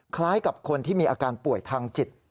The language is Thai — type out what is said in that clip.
คล้ายกับคนที่มีอาการป่วยทางจิต